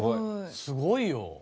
すごいよ。